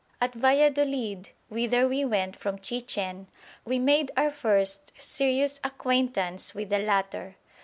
At Valladolid, whither we went from Chichen, we made our first serious acquaintance with the latter.